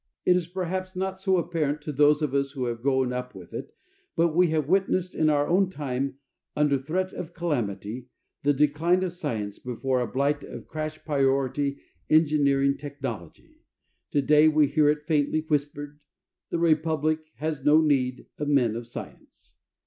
It is perhaps not so apparent to those of us who have grown up with it, but we have witnessed in our own time, under threat of calamity, the decline of science before a blight of crash priority engineering technology. Today, we hear it faintly whispered, "The Republic has no need of men of science."